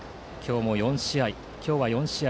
今日は４試合。